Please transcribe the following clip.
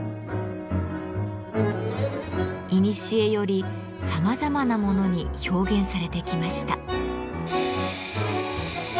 いにしえよりさまざまなものに表現されてきました。